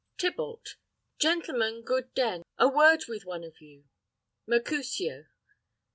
Tybalt. Gentlemen, good den; a word with one of you. Mercutio.